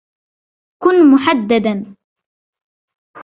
كُن محدداً.